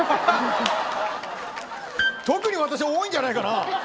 特に私多いんじゃないかなぁ？